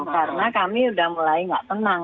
karena kami udah mulai gak tenang